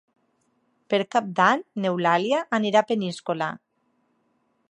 Per Cap d'Any n'Eulàlia anirà a Peníscola.